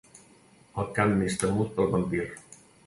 El camp més temut pel vampir.